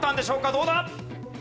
どうだ？